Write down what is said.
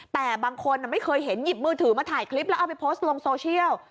แต่บางคนไม่เคยเห็นหยิบมือถือมาถ่ายคลิปแล้วเอาไปโพสต์ลงโซเชียล